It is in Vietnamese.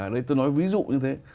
đấy tôi nói ví dụ như thế